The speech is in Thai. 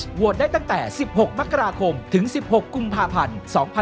โหวตได้ตั้งแต่๑๖มกราคมถึง๑๖กุมภาพันธ์๒๕๖๒